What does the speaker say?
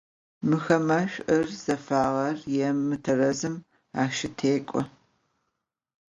Mıxeme ş'ur, zefağer yêm, mıterezım aşıtêk'o.